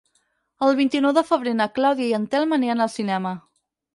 El vint-i-nou de febrer na Clàudia i en Telm aniran al cinema.